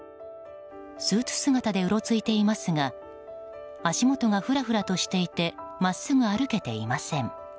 スーツ姿でうろついていますが足元がふらふらとしていて真っすぐ歩けていません。